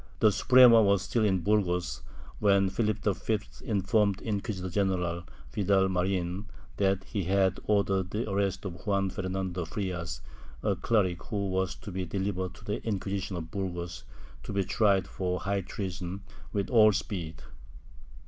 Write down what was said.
The Suprema was still in Burgos when Philip Y informed Inquisitor general Vidal Marin that he had ordered the arrest of Juan Fernando Frias, a cleric, who was to be delivered to the Inquisition at Bur gos, to be tried for high treason, with all speed.